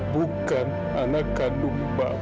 bukan anak kandung bapak